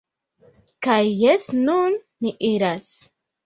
Kaj jes nun ni iras